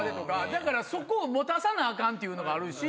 だからそこを持たさなアカンっていうのがあるし。